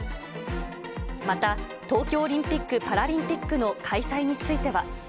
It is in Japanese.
また、東京オリンピック・パラリンピックの開催については。